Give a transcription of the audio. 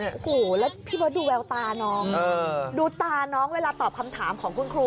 อีกแล้วติดต่อดูแววตาน้องเวลาตอบคำถามของคุณครู